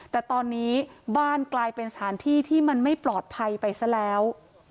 แต่ตอนนี้บ้านกลายเป็นสถานที่ที่มันไม่ปลอดภัยไปซะแล้ว